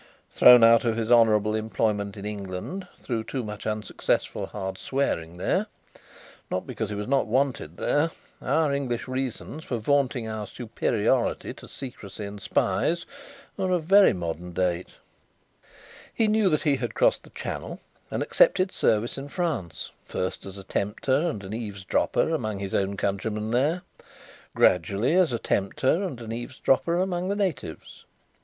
Thrown out of his honourable employment in England, through too much unsuccessful hard swearing there not because he was not wanted there; our English reasons for vaunting our superiority to secrecy and spies are of very modern date he knew that he had crossed the Channel, and accepted service in France: first, as a tempter and an eavesdropper among his own countrymen there: gradually, as a tempter and an eavesdropper among the natives.